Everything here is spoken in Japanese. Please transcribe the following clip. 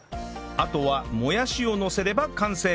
あとはもやしをのせれば完成！